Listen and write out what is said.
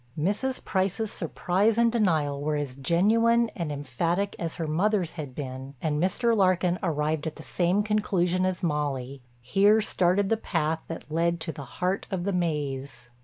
Mrs. Price's surprise and denial were as genuine and emphatic as her mother's had been and Mr. Larkin arrived at the same conclusion as Molly—here started the path that led to the heart of the maze.